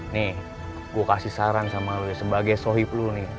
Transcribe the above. nih gue kasih saran sama lo ya sebagai sohib lo nih